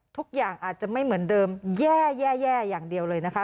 ทุกอย่างอาจจะไม่เหมือนเดิมแย่อย่างเดียวเลยนะคะ